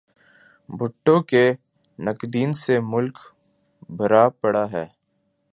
بھٹو کے ناقدین سے ملک بھرا پڑا ہے۔